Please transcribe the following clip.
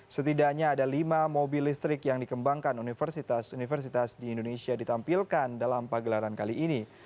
setidaknya ada lima mobil listrik yang dikembangkan universitas universitas di indonesia ditampilkan dalam pagelaran kali ini